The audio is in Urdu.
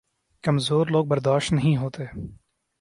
کمزور لوگ برداشت نہیں ہوتے